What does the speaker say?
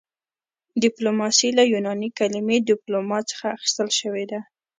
ډیپلوماسي له یوناني کلمې ډیپلوما څخه اخیستل شوې ده